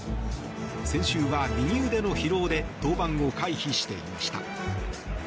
先週は右腕の疲労で登板を回避していました。